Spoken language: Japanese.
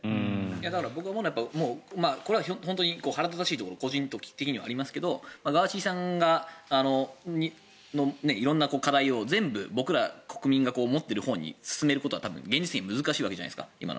なかなか腹立たしいところが個人的にはありますがガーシーさんが色んな課題を全部僕ら国民が思っているほうに進めることは多分現実的には難しいわけじゃないですか。